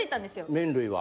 麺類は。